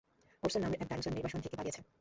Orson নামের এক dinosaur নির্বাসন থেকে পালিয়েছে।